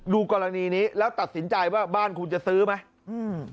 กรณีนี้แล้วตัดสินใจว่าบ้านคุณจะซื้อไหมอืม